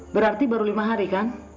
berarti baru lima hari kan